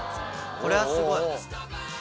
これはすごい！